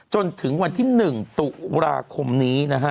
จนถึงวันที่๑ตุลาคมนี้นะฮะ